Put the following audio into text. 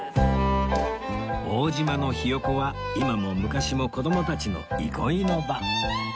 大島のひよこは今も昔も子供たちの憩いの場